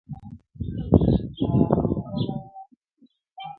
زورؤر بيا د خپل غرض تُوره تېره راؤړې